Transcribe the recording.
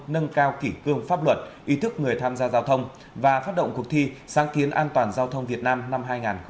nâng cao kỷ cương pháp luật ý thức người tham gia giao thông và phát động cuộc thi sáng kiến an toàn giao thông việt nam năm hai nghìn hai mươi